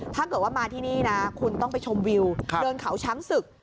ถ้าเกิดว่ามาที่นี่นะคุณต้องไปชมวิวเดินเขาช้างศึก